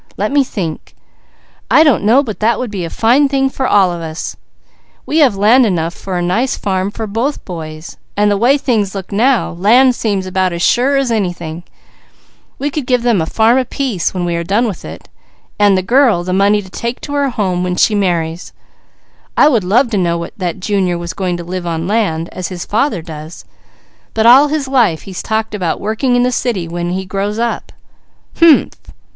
"Let me think! I don't know but that would be a fine thing for all of us. We have land enough for a nice farm for both boys, and the way things look now, land seems about as sure as anything; we could give them a farm apiece when we are done with it, and the girl the money to take to her home when she marries I would love to know that Junior was going to live on land as his father does; but all his life he's talked about working in the city when he grows up. Hu'umh!"